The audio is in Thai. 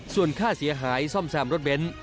ส่วนค่าเสียหายซ่อมแซมรถเบนท์